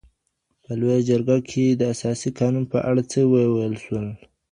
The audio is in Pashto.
په لویه جرګه کي د اساسي قانون په اړه څه وویل سول؟